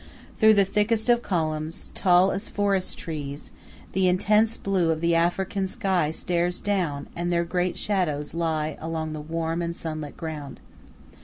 Through the thicket of columns, tall as forest trees, the intense blue of the African sky stares down, and their great shadows lie along the warm and sunlit ground.